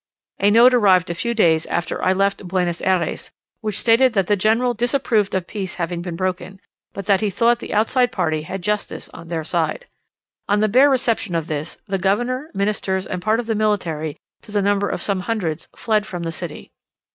A note arrived a few days after I left Buenos Ayres, which stated that the General disapproved of peace having been broken, but that he thought the outside party had justice on their side. On the bare reception of this, the Governor, ministers, and part of the military, to the number of some hundreds, fled from the city.